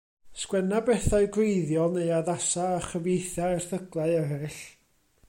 Sgwenna bethau gwreiddiol neu addasa a chyfieitha erthyglau eraill.